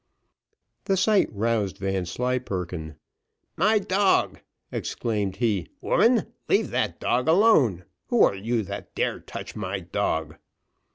The sight roused Vanslyperken. "My dog!" exclaimed he, "woman, leave that dog alone who are you that dare touch my dog?"